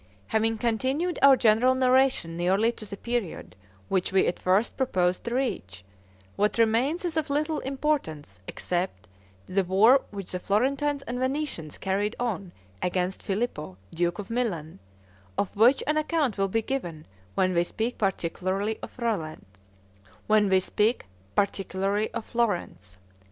Having continued our general narration nearly to the period which we at first proposed to reach, what remains is of little importance, except the war which the Florentines and Venetians carried on against Filippo duke of Milan, of which an account will be given when we speak particularly of Florence.